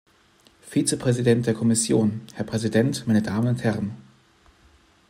Vizepräsident der Kommission. Herr Präsident, meine Damen und Herren!